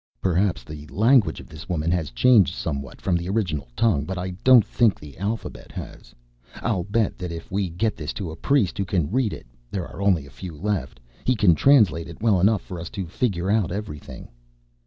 "Perhaps the language of this woman has changed somewhat from the original tongue, but I don't think the alphabet has. I'll bet that if we get this to a priest who can read it there are only a few left he can translate it well enough for us to figure out everything."